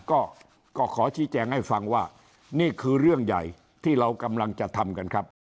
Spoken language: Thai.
ก็ก็ขอชี้แจงให้ฟังว่านี่คือเรื่องใหญ่ที่เรากำลังจะทำกันครับ